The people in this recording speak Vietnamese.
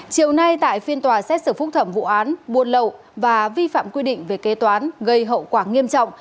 chiều nay tại phiên tòa xét xử phúc thẩm vụ án buôn lậu và vi phạm quy định về kế toán gây hậu quả nghiêm trọng